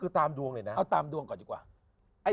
เอาตามดวงก่อนดีกว่า